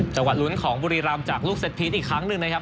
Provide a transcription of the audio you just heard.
จังหวะหลุ้นของบุรีรามจากลูกเศษพีชอีกครั้งหนึ่งนะครับ